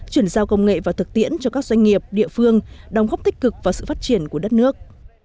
chuyển giao công nghệ và thực tiễn cho các doanh nghiệp địa phương đóng góp tích cực vào sự phát triển của đất nước